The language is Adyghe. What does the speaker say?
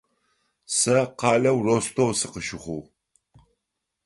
Сэ къалэу Ростов сыкъыщыхъугъ.